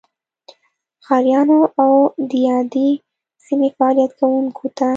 ښاریانو او دیادې سیمې فعالیت کوونکو ته